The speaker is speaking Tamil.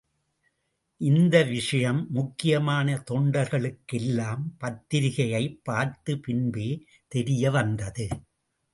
இந்த விஷயம் முக்கியமான தொண்டர்களுக்கெல்லாம் பத்திரிகையைப் பார்த்த பின்பே தெரிய வந்தது.